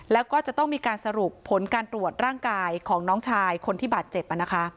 แล้วก็จะต้องมีการสรุปผลการตรวจร่างกายของน้องชายคนที่บาดเจ็บ